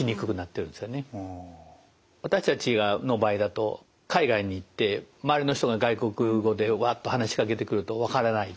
私たちの場合だと海外に行って周りの人が外国語でわっと話しかけてくるとわからない。